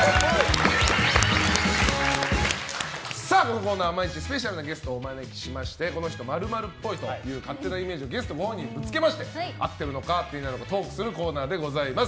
このコーナーは毎日スペシャルなゲストをお招きしましてこの人○○っぽいという勝手なイメージをゲストご本人にぶつけまして合っているのか合っていないのかトークするコーナーでございます。